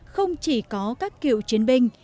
không chỉ có các cựu chiến binh